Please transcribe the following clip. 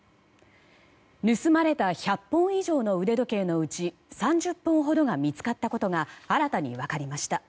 盗まれた１００本以上の腕時計のうち３０本ほどが見つかったことが新たに分かりました。